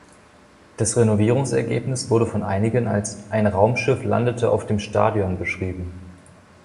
Das Renovierungsergebnis wurde von einigen als „ein Raumschiff landete auf dem Stadion“ beschrieben.